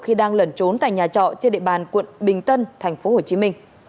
khi đang lẩn trốn tại nhà trọ trên địa bàn quận bình tân tp hcm